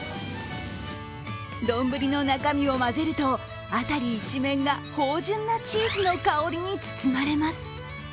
どんぶりの中身を混ぜると、辺り一面が芳じゅんなチーズの香りに包まれます。